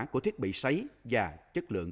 của thiết bị sấy và chất lượng